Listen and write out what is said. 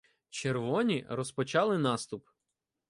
Червоні розпочали наступ.